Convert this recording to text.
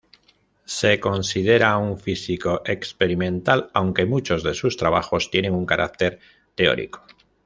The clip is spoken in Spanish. Se considera un físico experimental, aunque muchos de sus trabajos tienen un carácter teórico.